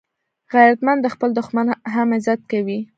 غیرتمند د خپل دښمن هم عزت کوي